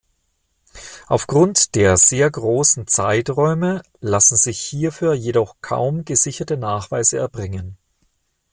Aufgrund der sehr großen Zeiträume lassen sich hierfür jedoch kaum gesicherte Nachweise erbringen.